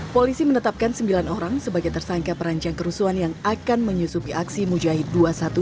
polisi menetapkan sembilan orang sebagai tersangka perancang kerusuhan yang akan menyusupi aksi mujahid dua ratus dua belas